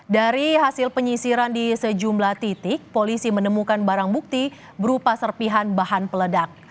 dari hasil penyisiran di sejumlah titik polisi menemukan barang bukti berupa serpihan bahan peledak